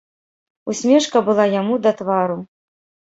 Усмешка была яму да твару.